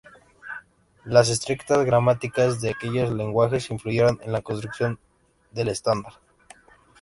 Las estrictas gramáticas de aquellos lenguajes influyeron en la construcción del estándar.